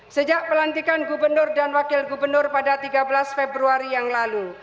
sejak pelantikan gubernur dan wakil gubernur pada tiga belas februari yang lalu